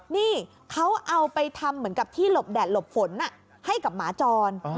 นี่เขาเอาไปทำเหมือนกับที่หลบแดดหลบฝนให้กับหมาจร